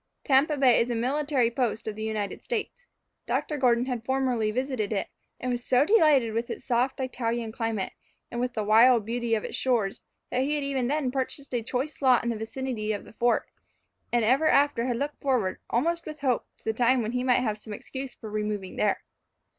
Tampa Bay is a military post of the United States. Dr. Gordon had formerly visited it, and was so delighted with its soft Italian climate, and with the wild beauty of its shores, that he had even then purchased a choice lot in the vicinity of the fort, and ever after had looked forward, almost with hope, to the time when he might have some excuse for removing there.